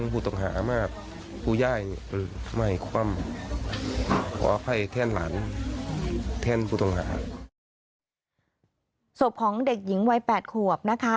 พ่อแม่ของเด็กหญิง๘ขวบนะคะ